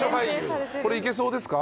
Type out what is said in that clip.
これいけそうですか？